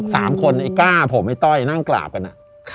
สามคนไอ้กล้าผมไอ้ต้อยนั่งกราบกัน